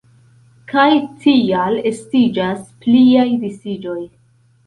Kaj tial estiĝas pliaj disiĝoj.